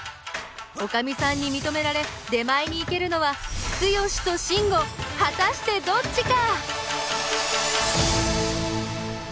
おかみさんにみとめられ出前に行けるのはツヨシとシンゴ果たしてどっちか！？